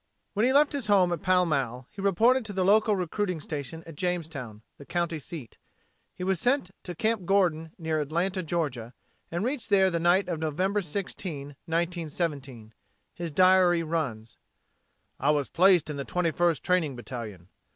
When he left his home at Pall Mall he reported to the local recruiting station at Jamestown, the county seat. He was sent to Camp Gordon near Atlanta, Ga., and reached there the night of November 16, 1917. His diary runs: "I was placed in the 21st training battalion.